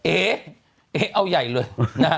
เอ๋เอ๋เอ๋เอาใหญ่เลย